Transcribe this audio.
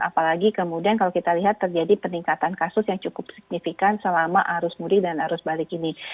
apalagi kemudian kalau kita lihat terjadi peningkatan kasus yang cukup signifikan selama arus mudik dan arus balik ini